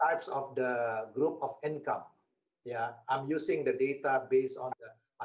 ada satu grup yang menghabiskan